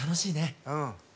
うん。